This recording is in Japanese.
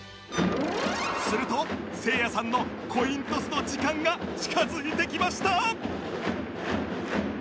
するとせいやさんのコイントスの時間が近づいてきました